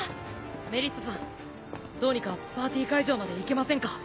メリッサさんどうにかパーティー会場まで行けませんか？